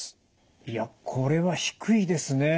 いやこれは低いですね。